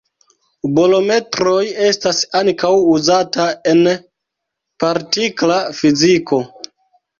Bolometroj estas ankaŭ uzata en partikla fiziko.